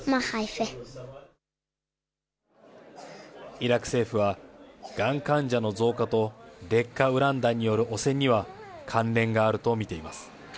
イラク政府は、がん患者の増加と劣化ウラン弾による汚染には関連があると見ています。